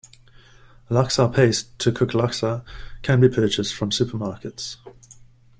Laksa paste to cook laksa can be purchased from supermarkets.